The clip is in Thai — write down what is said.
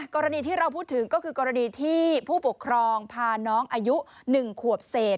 กรณีที่เราพูดถึงก็คือกรณีที่ผู้ปกครองพาน้องอายุ๑ขวบเศษ